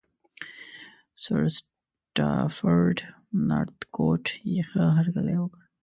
سرسټافرډ نارتکوټ یې ښه هرکلی وکړ.